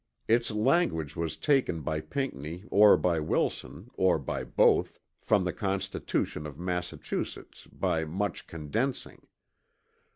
Its language was taken by Pinckney or by Wilson, or by both, from the Constitution of Massachusetts by much condensing.